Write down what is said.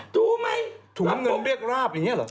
ถูกมั้ยอย่างนี้หรอการเงินเรียกราบอย่างนี้เหรอ